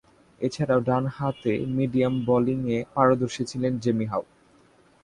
এছাড়াও, ডানহাতে মিডিয়াম বোলিংয়ে পারদর্শী ছিলেন জেমি হাউ।